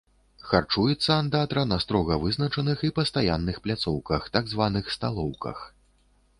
Харчуецца андатра на строга вызначаных і пастаянных пляцоўках, так званых, сталоўках.